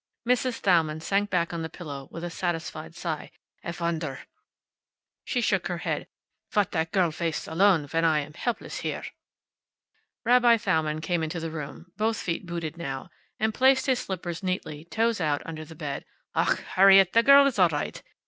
Mrs. Thalmann sank back on the pillow with a satisfied sigh. "A wonder." She shook her head. "What that girl wastes alone, when I am helpless here." Rabbi Thalmann came into the room, both feet booted now, and placed his slippers neatly, toes out, under the bed. "Ach, Harriet, the girl is all right.